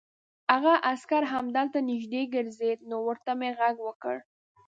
هغه عسکر همدلته نږدې ګرځېد، نو ورته مې غږ وکړ.